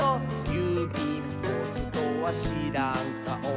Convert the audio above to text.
「ゆうびんポストはしらんかお」